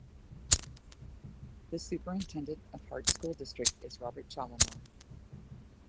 The superintendent of Hart School District is Robert Challinor.